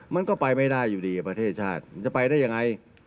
มันก็ไปไม่ได้อยู่ดีประเทศชาติมันจะไปได้ยังไง